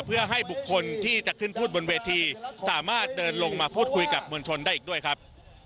เพื่อให้บุคคลที่จะขึ้นพูดบนเวทีสามารถเดินลงมาพูดคุยกับมวลชนได้อีกด้วยครับ